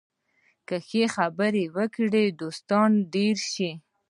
که ښه خبرې وکړې، دوستان ډېر شي